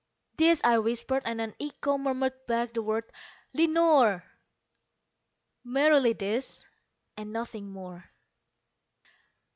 This I whispered, and an echo murmured back the word "Lenore!" Merely this and nothing more.